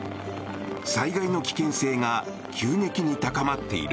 災害の危険性が急激に高まっている。